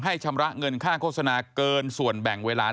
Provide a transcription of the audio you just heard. ชำระเงินค่าโฆษณาเกินส่วนแบ่งเวลา